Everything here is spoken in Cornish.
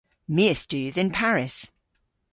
My a studh yn Paris.